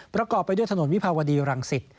ประกอบไปด้วยถนนวิพวดีรังศิษย์